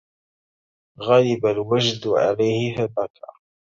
غلب الوجد عليه فبكى